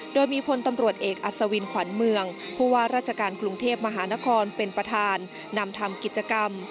โดยมีพลตำรวจเอกอัศวินขวัญเมืองผู้ว่าราชการกรุงเทพมหานครเป็นประธานนำทำกิจกรรม